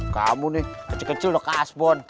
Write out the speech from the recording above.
kamu nih kecil kecil dong kak asbon